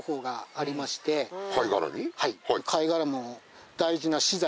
はい。